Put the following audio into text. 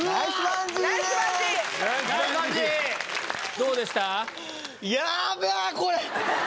どうでした？